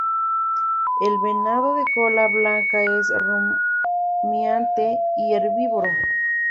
El venado de cola blanca es rumiante y herbívoro.